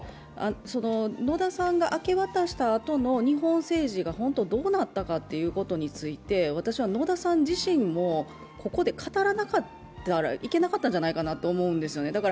野田さんが明け渡したあとの日本政治がどうなったかについて私は野田さん自身もここで語らなかったらいけなかったんじゃないかなと思うんですね。